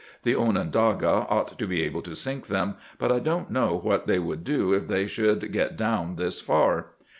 " The Onondaga ought to be able to sink them, but I don't know what they would do if they should get down this far."